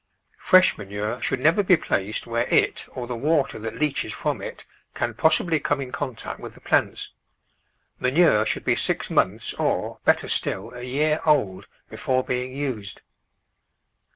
Fresh manure should never be placed where it, or the water that leaches from it, can possibly come in contact wth the plants; manure should be six months or, better still, a year old before being used.